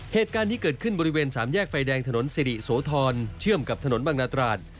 เหตุการณ์นี้เกิดขึ้นบริเวณสามแยกไฟแดงถนนสิริโสธรเชื่อมกับถนนบางนาตราด